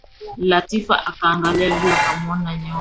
Latifa akaangalia juu akamwona nyoka.